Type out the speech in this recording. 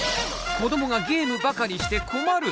子どもがゲームばかりして困る！